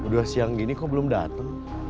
udah siang gini kok belum datang